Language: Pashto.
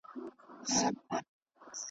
چي پخوا د بوډۍ ټال وو اوس غروب وینم په خوب کي .